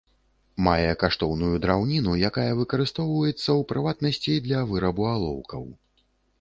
Мае каштоўную драўніну, якая выкарыстоўваецца, у прыватнасці, для вырабу алоўкаў.